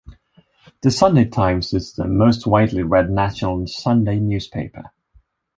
The "Sunday Times" is the most widely read national Sunday newspaper.